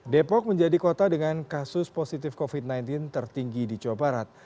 depok menjadi kota dengan kasus positif covid sembilan belas tertinggi di jawa barat